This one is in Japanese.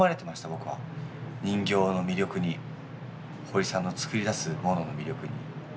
僕は人形の魅力にホリさんの作り出すものの魅力に。